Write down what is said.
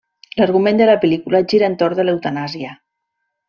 L'argument de la pel·lícula gira entorn de l'eutanàsia.